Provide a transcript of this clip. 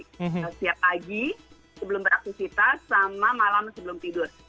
setiap pagi sebelum beraktivitas sama malam sebelum tidur